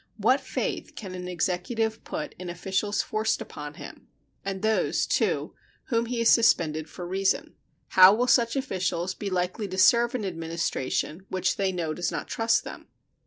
What faith can an Executive put in officials forced upon him, and those, too, whom he has suspended for reason? How will such officials be likely to serve an Administration which they know does not trust them?